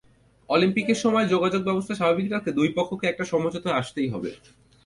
অলিম্পিকের সময় যোগাযোগব্যবস্থা স্বাভাবিক রাখতে দুই পক্ষকে একটা সমঝোতায় আসতেই হবে।